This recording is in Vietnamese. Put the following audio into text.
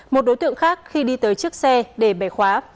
một đối tượng khác khi đi tới chiếc xe để bẻ khóa